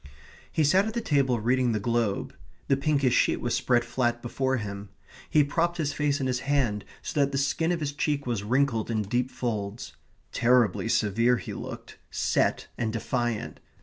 He sat at the table reading the Globe. The pinkish sheet was spread flat before him. He propped his face in his hand, so that the skin of his cheek was wrinkled in deep folds. Terribly severe he looked, set, and defiant.